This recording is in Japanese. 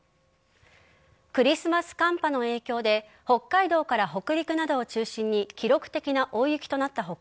クリスマス寒波の影響で北海道から北陸などを中心に記録的な大雪となった他